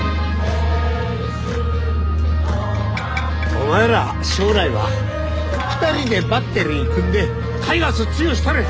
お前ら将来は２人でバッテリー組んでタイガース強うしたれ！